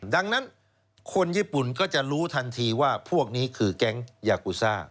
ดังนั้นคนญี่ปุ่นก็จะรู้ทันทีว่าพวกนี้คือแก๊งยากูซ่า